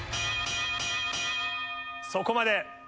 ⁉そこまで。